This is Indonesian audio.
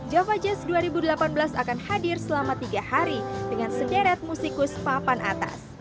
java jazz dua ribu delapan belas akan hadir selama tiga hari dengan sederet musikus papan atas